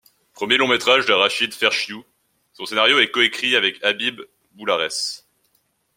Premier long métrage de Rachid Ferchiou, son scénario est co-écrit avec Habib Boularès.